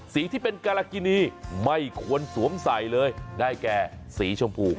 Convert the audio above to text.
ที่เป็นการากินีไม่ควรสวมใส่เลยได้แก่สีชมพู